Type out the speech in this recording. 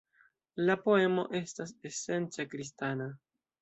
La poemo estas esence kristana.